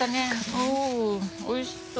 おお美味しそう。